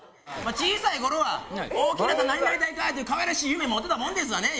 小さい頃は大きなったら何になりたいか？っていう可愛らしい夢持ってたもんですわね